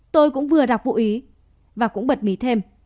tôi cũng vừa đọc vụ ý và cũng bật mí thêm